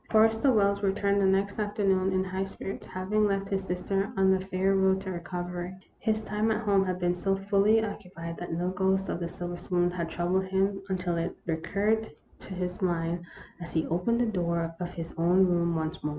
Forrester Wells returned the next afternoon in high spirits, having left his sister on the fair road to recovery. His time at home had been so fully occupied that no ghost of the silver spoon had troubled him until it recurred to his mind as he opened the door of his own room once more.